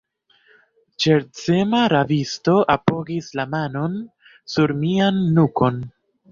Ŝercema rabisto apogis la manon sur mian nukon.